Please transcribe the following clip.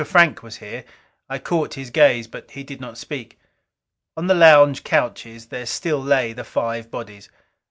Frank was here. I caught his gaze but he did not speak. On the lounge couches there still lay the five bodies.